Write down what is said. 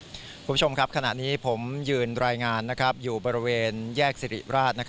คุณผู้ชมครับขณะนี้ผมยืนรายงานอยู่บริเวณแยกสิริราช